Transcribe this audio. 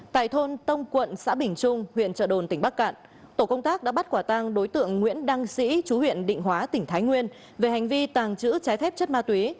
tại thôn tông quận xã bình trung huyện trợ đồn tỉnh bắc cạn tổ công tác đã bắt quả tang đối tượng nguyễn đăng sĩ chú huyện định hóa tỉnh thái nguyên về hành vi tàng trữ trái phép chất ma túy